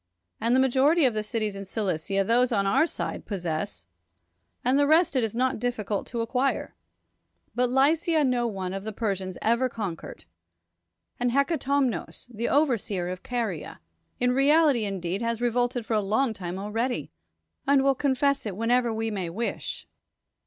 And the majority of the cities in Cilicia those on our side possess, and the rest it is not difficult to acquire. But Lycia no one of the Persians ever conquered. And llecatomnos, the overseer of Caria, in reality indeed has re volted for a long time already, and will confess it whenever we may wish.